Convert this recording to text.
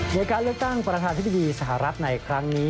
ในการเลือกตั้งประธานธิบดีสหรัฐในครั้งนี้